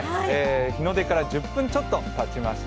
日の出から１０分ちょっとたちました。